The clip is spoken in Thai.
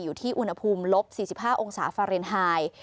อยู่ที่อุณหภูมิลบ๔๕องศาฟาเรนไฮ